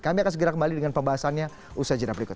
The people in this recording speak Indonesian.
kami akan segera kembali dengan pembahasannya usai jenah berikut